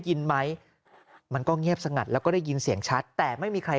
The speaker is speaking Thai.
ยินไหมมันก็เงียบสงัดแล้วก็ได้ยินเสียงชัดแต่ไม่มีใคร